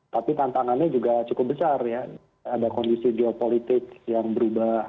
tapi tantangannya juga cukup besar ya ada kondisi geopolitik yang berubah